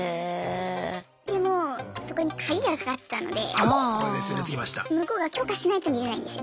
でもそこに鍵がかかってたので向こうが許可しないと見れないんですよ。